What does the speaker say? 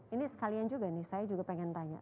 ini sekalian juga nih saya juga pengen tanya